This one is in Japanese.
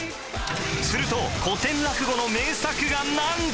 すると古典落語の名作がなんと！